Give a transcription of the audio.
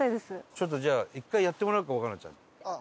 ちょっとじゃあ１回やってもらおうかわかなちゃんに。